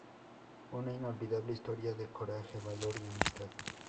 Una inolvidable historia de coraje, valor y amistad!